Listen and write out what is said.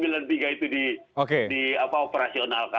bisa nggak sembilan puluh tiga itu di operasionalkan